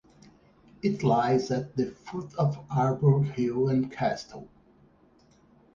It lies at the foot of Aarburg hill and castle.